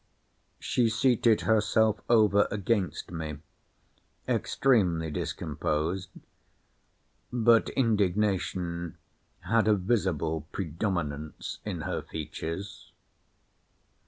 She seated herself over against me; extremely discomposed—but indignation had a visible predominance in her features.